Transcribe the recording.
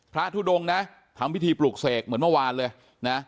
ทุดงนะทำพิธีปลูกเสกเหมือนเมื่อวานเลยนะ